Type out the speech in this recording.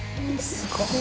すごい！